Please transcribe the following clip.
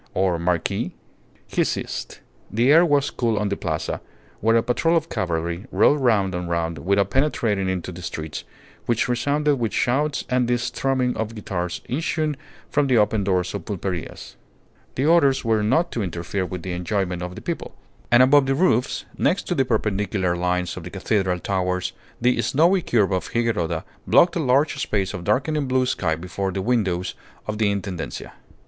or marquis ..." He ceased. The air was cool on the Plaza, where a patrol of cavalry rode round and round without penetrating into the streets, which resounded with shouts and the strumming of guitars issuing from the open doors of pulperias. The orders were not to interfere with the enjoyments of the people. And above the roofs, next to the perpendicular lines of the cathedral towers the snowy curve of Higuerota blocked a large space of darkening blue sky before the windows of the Intendencia.